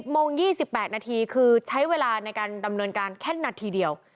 โมง๒๘นาทีคือใช้เวลาในการดำเนินการแค่นาทีเดียว